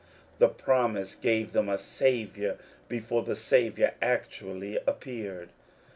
The promise gave them a Saviour before the Saviour actually appeared.